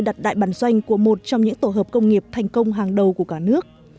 đặt đại bản doanh của một trong những tổ hợp công nghiệp thành công hàng đầu của cả nước